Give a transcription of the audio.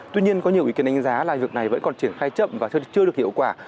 tuy nhiên có nhiều ý kiến đánh giá là việc này vẫn còn triển khai chậm và chưa được hiệu quả